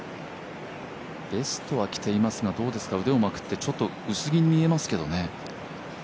ベストは着ていますがどうですか、腕をまくってちょっと薄着に見えますけどね。